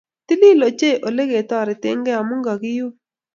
Titil ochei olegitoretegee amu kagiun